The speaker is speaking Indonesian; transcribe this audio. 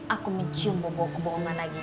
aku mencium babong kebohongan lagi